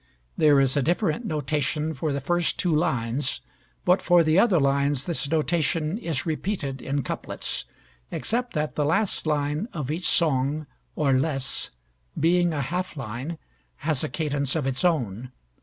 There is a different notation for the first two lines, but for the other lines this notation is repeated in couplets, except that the last line of each song or laisse being a half line has a cadence of its own.